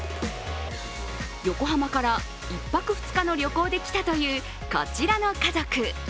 横浜から１泊２日の旅行できたというこちらの家族。